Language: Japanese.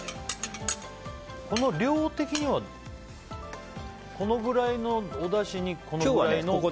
この量的にはこのぐらいのおだしにこのぐらいの冬瓜？